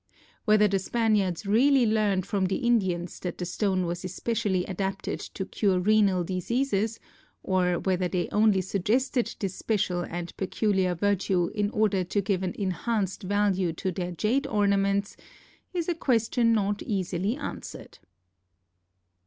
Whether the Spaniards really learned from the Indians that the stone was especially adapted to cure renal diseases, or whether they only suggested this special and peculiar virtue in order to give an enhanced value to their jade ornaments, is a question not easily answered.